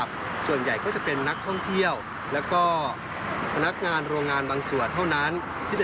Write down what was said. ส่วนใหญ่ก็จะเป็นนักท่องเที่ยวแล้วก็พนักงานโรงงานบางส่วนเท่านั้นที่จะ